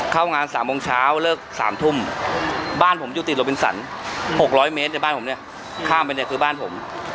เข้างาน๓โมงเช้าเลิก๓ทุ่มบ้านผมอยู่ติดโลบินสัน๖๐๐เมตรในบ้านผมเนี่ยข้ามไปเนี่ยคือบ้านผม